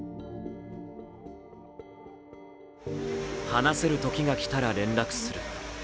話せるときが来たら連絡する。